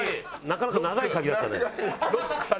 なかなか長い鍵だったね。